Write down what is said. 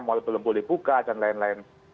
mal belum boleh buka dan lain lain